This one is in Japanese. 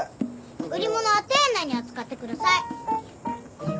売り物は丁寧に扱ってください。